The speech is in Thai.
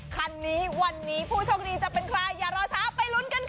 คันนี้วันนี้ผู้โชคดีจะเป็นใครอย่ารอช้าไปลุ้นกันค่ะ